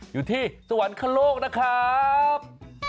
อยู่ที่สวรรคโลกนะครับ